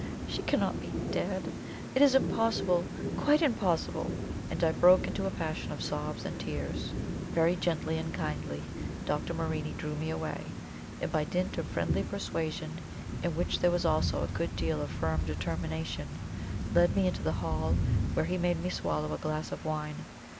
She cannot be dead; it is impossible quite impossible!" And I broke into a passion of sobs and tears. Very gently and kindly Dr. Morini drew me away, and by dint of friendly persuasion, in which there was also a good deal of firm determination, led me into the hall, where he made me swallow a glass of wine.